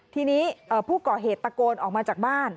ทีนี้ผู้ก่อเหตุตะโกนออกมาจากบ้าน